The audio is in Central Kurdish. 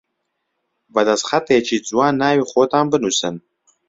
بە دەستخەتێکی جوان ناوی خۆتان بنووسن